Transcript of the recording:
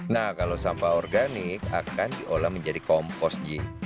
nah kalau sampah organik akan diolah menjadi kompos j